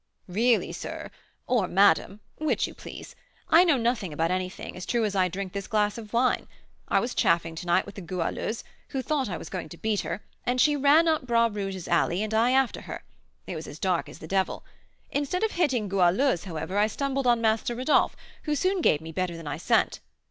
"Really, sir, or madam, which you please, I know nothing about anything, as true as I drink this glass of wine. I was chaffing to night with the Goualeuse, who thought I was going to beat her, and she ran up Bras Rouge's alley, and I after her; it was as dark as the devil. Instead of hitting Goualeuse, however, I stumbled on Master Rodolph, who soon gave me better than I sent.